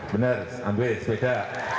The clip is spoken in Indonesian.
benar ambil sepeda